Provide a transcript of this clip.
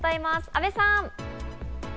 阿部さん。